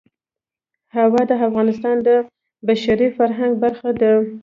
هوا د افغانستان د بشري فرهنګ برخه ده.